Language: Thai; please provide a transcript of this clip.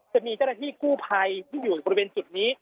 จะมีเจ้าหน้าที่กู้ภัยที่อยู่บริเวณจุดนี้